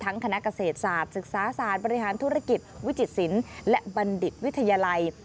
คณะเกษตรศาสตร์ศึกษาศาสตร์บริหารธุรกิจวิจิตศิลป์และบัณฑิตวิทยาลัย